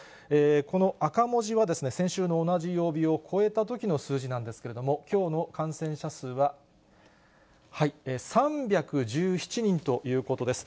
この赤文字は、先週の同じ曜日を超えたときの数字なんですけれども、きょうの感染者数は、３１７人ということです。